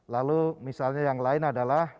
lalu misalnya yang lain adalah